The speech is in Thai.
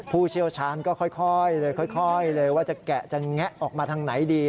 ผู้เชี่ยวชาญก็ค่อยเลยค่อยเลยว่าจะแกะจะแงะออกมาทางไหนดี